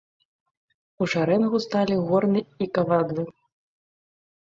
У шарэнгу сталі горны і кавадлы.